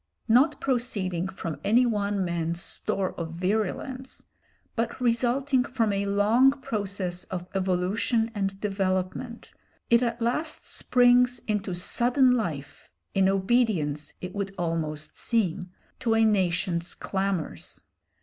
Not proceeding from any one man's store of virulence, but resulting from a long process of evolution and development, it at last springs into sudden life, in obedience, it would almost seem, to a nation's clamours.